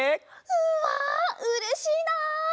うわうれしいなあ！